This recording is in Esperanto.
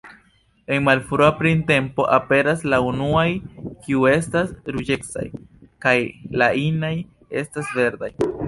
En malfrua printempo aperas la unuaj; kiuj estas ruĝecaj kaj la inaj estas verdaj.